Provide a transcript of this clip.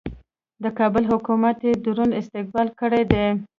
د کابل حکومت یې دروند استقبال کړی دی.